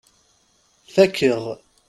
Fakeɣ.